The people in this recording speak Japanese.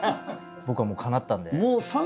僕はもうかなったんで。